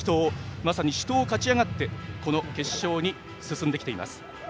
まさに死闘を勝ち上がってこの決勝に進んできています。